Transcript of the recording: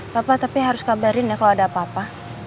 papa tapi harus kabarin ya kalau ada apa apa